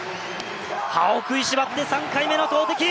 歯を食いしばって３回目の投てき。